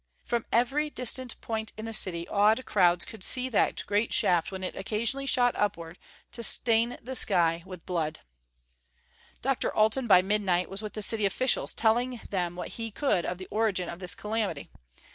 From every distant point in the city, awed crowds could see that great shaft when it occasionally shot upward, to stain the sky with blood. Dr. Alten by midnight was with the city officials, telling them what he could of the origin of this calamity.